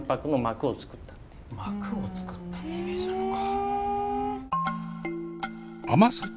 膜を作ったってイメージなのか。